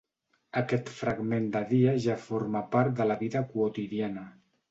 Aquest fragment de dia ja forma part de la vida quotidiana.